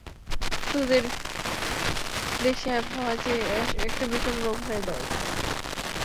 তোদের দেশে সাহেব হওয়া যে একটা বিষম রোগ হয়ে দাঁড়িয়েছে।